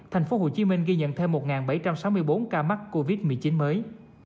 tp hcm ghi nhận thêm một bảy trăm sáu mươi bốn ca mắc covid một mươi chín mới